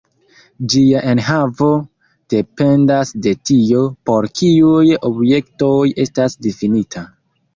Ĝia enhavo dependas de tio, por kiuj objektoj estas difinita.